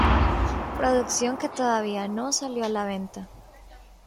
Producción que todavía no salio a la venta.